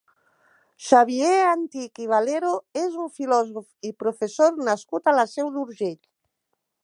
Xavier Antich i Valero és un filòsof i professor nascut a la Seu d'Urgell.